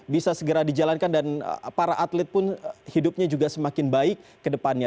bisa segera dijalankan dan para atlet pun hidupnya juga semakin baik ke depannya